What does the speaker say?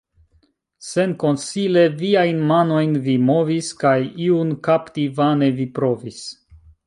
Senkonsile viajn manojn vi movis, kaj iun kapti vane vi provis.